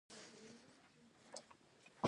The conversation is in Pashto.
لمر چېښم په سیوري سخاوت کوم